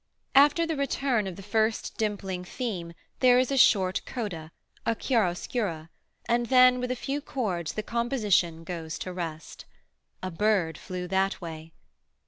After the return of the first dimpling theme there is a short coda, a chiaroscura, and then with a few chords the composition goes to rest. A bird flew that way!